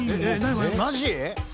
マジ！？